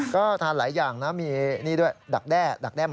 ก็ทานหลายอย่างนะมีนี่ด้วยดักแด้ดักแด้